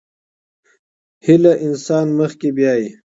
هيله انسان مخکې بيايي.